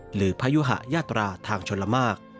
หรือพยุหะยาตราทางชนละมาก